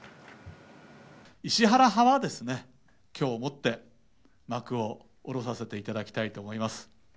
石原派は、きょうをもって幕を下ろさせていただきたいと思います。